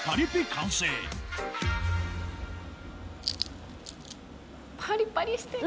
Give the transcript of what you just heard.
完成パリパリしてる。